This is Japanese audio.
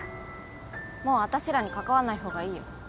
もうあたしらに関わんない方がいいよ。